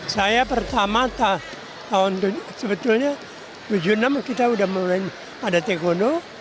saya pertama tahun sebetulnya seribu sembilan ratus tujuh puluh enam kita udah mulai ada teh kondo